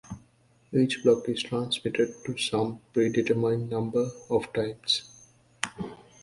Each block is transmitted some predetermined number of times.